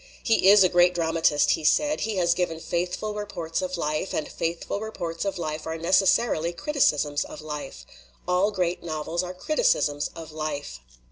"He is a great dramatist," he said. "He has / given faithful reports of life, and faithful reports of life are necessarily criticisms of life. All great novels are criticisms of life.